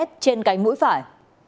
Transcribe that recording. trên cánh mũi phải